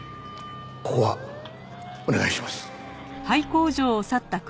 ここはお願いします。